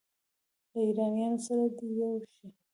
له ایرانیانو سره دې یو شي.